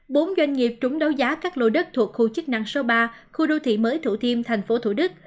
bốn doanh nghiệp trúng đấu giá các lô đất thuộc khu chức năng số ba khu đô thị mới thủ thiêm tp thủ đức